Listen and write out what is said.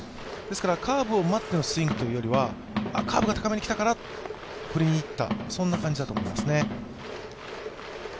カーブを待ってのスイングというよりはカーブが高めにきたから振りにいったという感じだと思いますね。